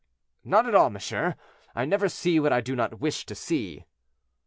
"Not at all, monsieur; I never see what I do not wish to see."